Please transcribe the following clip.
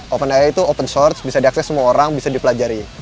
open air itu open source bisa diakses semua orang bisa dipelajari